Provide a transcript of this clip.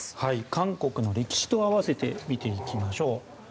韓国の歴史と合わせて見ていきましょう。